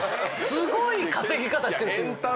すごい稼ぎ方してるんですよ。